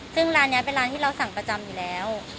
ซึ่งร้านนี้เป็นร้านที่เราสั่งประจำอยู่แล้ว